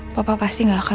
apa papa bakal marah ya